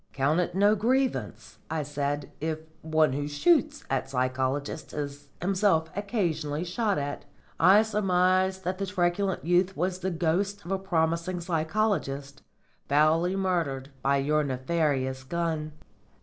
"Count it no grievance," I said, "if one who shoots at psychologists is himself occasionally shot at. I surmise that the truculent youth was the ghost of a promising psychologist, foully murdered by your nefarious gun."